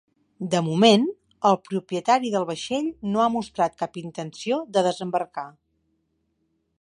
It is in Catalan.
De moment, el propietari del vaixell no ha mostrat cap intenció de desembarcar.